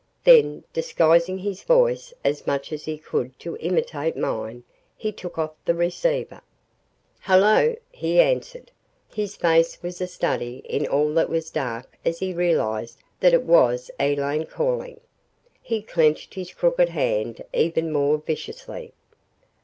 Then, disguising his voice as much as he could to imitate mine, he took off the receiver. "Hello!" he answered. His face was a study in all that was dark as he realized that it was Elaine calling. He clenched his crooked hand even more viciously.